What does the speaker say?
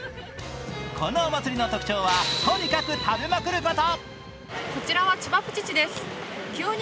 このお祭りの特徴は、とにかく食べまくること。